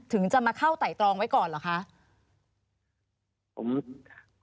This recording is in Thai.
ถึงจะมาเข้าไต่ตรองไว้ก่อนเหรอคะ